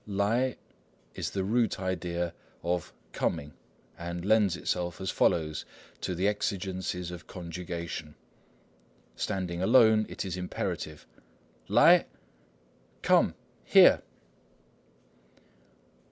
来 lai is the root idea of "coming," and lends itself as follows to the exigencies of conjugation:— Standing alone, it is imperative:— 来 Lai! = "come!" "here!"